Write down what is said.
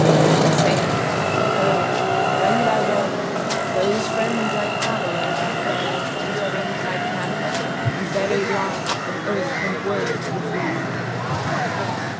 '' It saith, 'Go, wend thy way; those friends like travellers have fared * From Springtide camp, and buried lie of earth and worms the food!'